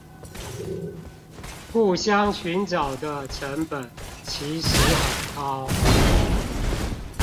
互相尋找的成本其實很高！